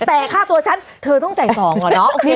แต่ค่าตัวฉันเธอต้องจ่าย๒เหรอเนาะโอเค